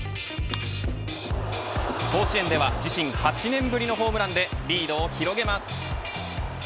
甲子園では自身８年ぶりのホームランでリードを広げます。